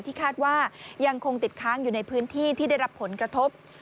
คาดว่ายังคงติดค้างอยู่ในพื้นที่ที่ได้รับผลกระทบ